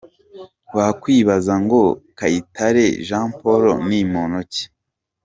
Wakwibaza ngo Kayitare Jean Paul ni muntu ki ?